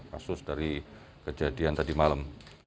kasus dari kejadian tadi malam